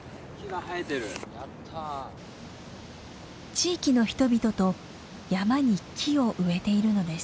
地域の人々と山に木を植えているのです。